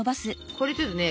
これちょっとね